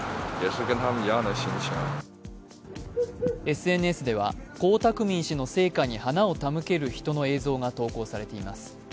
ＳＮＳでは、江沢民氏の生家に花を手向ける人の映像が投稿されています。